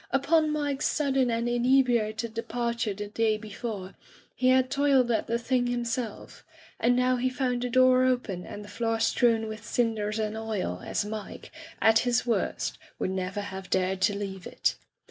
Upon Mike's sudden and inebriated departure the day before, he had toiled at the thing himself, and now he found the door open and the floor strewn with cinders and oil as Mike, at his worst, would never have dared to leave it.